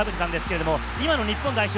しゃ今の日本代表